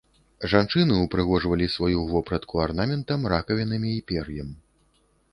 Жанчыны ўпрыгожвалі сваю вопратку арнаментам, ракавінамі і пер'ем.